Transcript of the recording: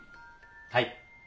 はい。